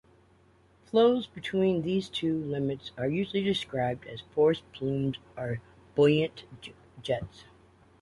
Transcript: Flows between these two limits are usually described as forced plumes or buoyant jets.